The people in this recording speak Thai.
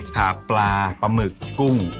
ถาบปลาปลาหมึกกุ้ง